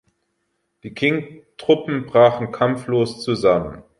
Die Qing-Truppen brachen kampflos zusammen.